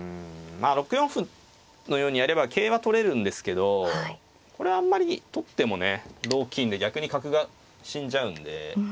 ６四歩のようにやれば桂は取れるんですけどこれはあんまり取ってもね同金で逆に角が死んじゃうんで。